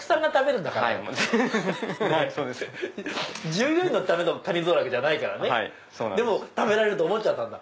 従業員のためのカニじゃないからでも食べられると思ったんだ。